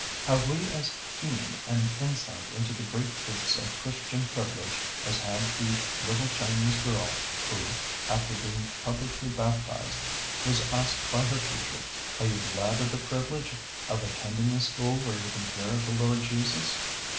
Have we as keen an insight into the great truths of Christian privilege as had the little Chinese girl, who, after being publicly baptized, was asked by her teacher, "Are you glad of the privilege of attending a school where you can hear of the Lord Jesus?"